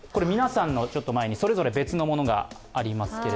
皆さんの前にそれぞれ別のものがあります。